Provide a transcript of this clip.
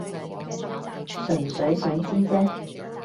純粹想知啫